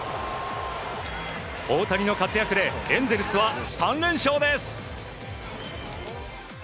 大谷の活躍でエンゼルスは３連勝です。